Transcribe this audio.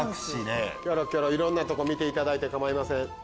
いろんなとこ見ていただいて構いません。